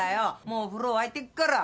もう風呂沸いてっから。